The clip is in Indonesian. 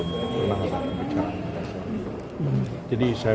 ini apakah sudah pembicaranya sudah sedia